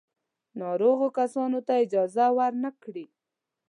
ناروغو کسانو ته اجازه ور نه کړي.